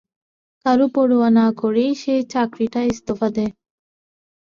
কোনো পরোয়া না করেই সে চাকরিটা ইস্তফা দেয়।